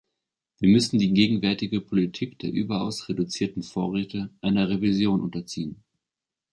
Wir müssen die gegenwärtige Politik der überaus reduzierten Vorräte einer Revision unterziehen.